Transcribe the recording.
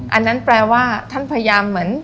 อันนั้นแปลว่าท่านพยายามเหมือน